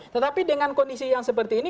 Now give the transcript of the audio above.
tetapi dengan kondisi yang seperti ini